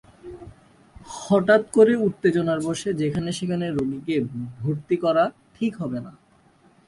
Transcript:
হঠাৎ করে উত্তেজনার বশে যেখানেসেখানে রোগীকে ভর্তি করা ঠিক হবে না।